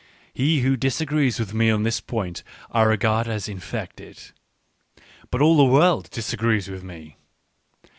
He who* disagrees with me on this point, I regard as infected. But all the world disagrees with me.